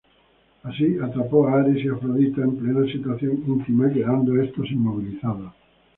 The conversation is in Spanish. Así atrapó a Ares y Afrodita en plena situación íntima, quedando estos inmovilizados.